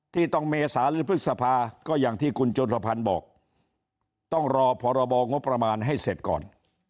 ที่ต้องเมษาหรือพฤษภาก็อย่างที่คุณจุลพันธ์บอกต้องรอพรบงบประมาณให้เสร็จก่อน